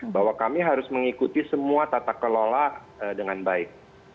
bahwa kami harus mengikuti semua tata kelola dengan baik